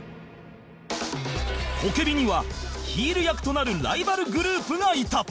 ポケビにはヒール役となるライバルグループがいた！